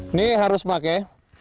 ini harus pakai